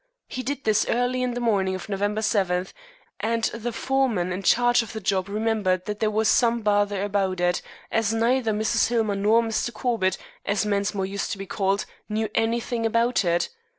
He did this early in the morning of November 7, and the foreman in charge of the job remembered that there was some bother about it, as neither Mrs. Hillmer nor Mr. Corbett, as Mensmore used to be called, knew anything about it.